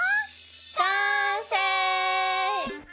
完成！